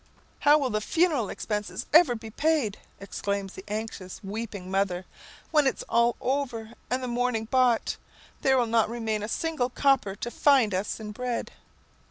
"How will the funeral expenses ever be paid?" exclaims the anxious, weeping mother. "When it is all over, and the mourning bought, there will not remain a single copper to find us in bread."